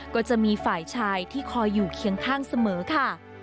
ก็จะมีฝ่ายชายที่คอยอยู่เคียงข้างเสมอค่ะ